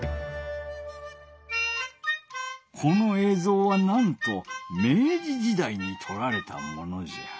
このえいぞうはなんと明治時代にとられたものじゃ。